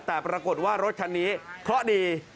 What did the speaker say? แต่ปรากฏว่ารถคันนี้เคราะห์ดี